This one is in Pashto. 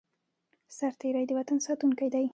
سرتیری د وطن ساتونکی دی